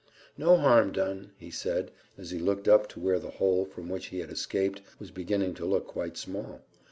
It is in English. "No harm done," he said, as he looked up to where the hole from which he had escaped was beginning to look quite small.